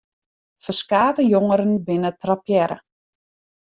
Ferskate jongeren binne trappearre.